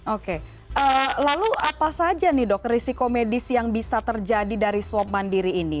oke lalu apa saja nih dok risiko medis yang bisa terjadi dari swab mandiri ini